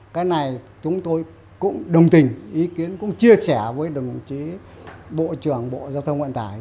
cái này chúng tôi cũng đồng tình ý kiến cũng chia sẻ với đồng chí bộ trưởng bộ giao thông vận tải